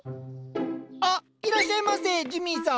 あっいらっしゃいませジミーさん。